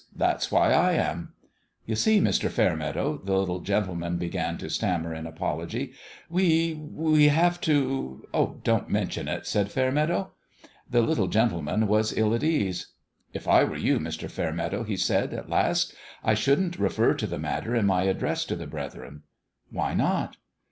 That's why I am." " You see, Mr. Fairmeadow," the little gentle man began to stammer, in apology, " we we have to "" Don't mention it," said Fairmeadow. The little gentleman was ill at ease. "If I were you, Mr. Fairmeadow," he said, at last, " I shouldn't refer to the matter in my address to the brethren." "Why not?"